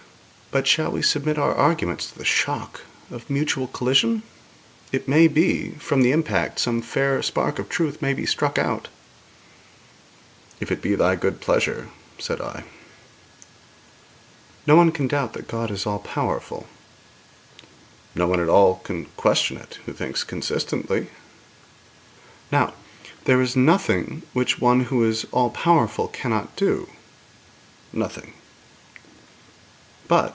But shall we submit our arguments to the shock of mutual collision? it may be from the impact some fair spark of truth may be struck out.' 'If it be thy good pleasure,' said I. 'No one can doubt that God is all powerful.' 'No one at all can question it who thinks consistently.' 'Now, there is nothing which One who is all powerful cannot do.' 'Nothing.'